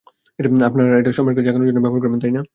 আপনারা এটা সম্রাটকে জাগানোর জন্য ব্যবহার করবেন, তাই না?